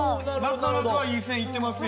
なかなかいい線いってますよ。